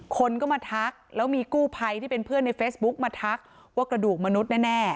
คนก็มาทักแล้วมีกู้ภัยที่เป็นเพื่อนในเฟซบุ๊กมาทักว่ากระดูกมนุษย์แน่